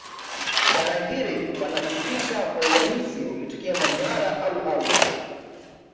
tarangire panafikika kwa urahisi ukitokea manyara au arusha